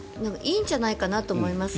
いいんじゃないかなと思います。